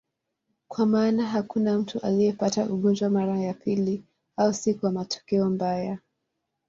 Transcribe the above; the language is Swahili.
Kwa maana hakuna mtu aliyepata ugonjwa mara ya pili, au si kwa matokeo mbaya.